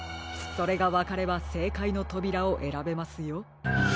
それがわかればせいかいのとびらをえらべますよ。